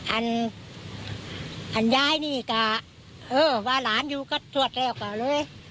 อันยายนี่ก็เออว่าหลานอยู่ก็สวดแล้วก็เลย